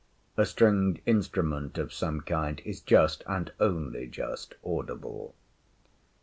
A stringed instrument of some kind is just, and only just, audible.